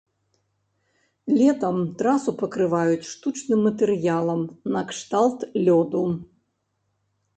Летам трасу пакрываюць штучным матэрыялам накшталт лёду.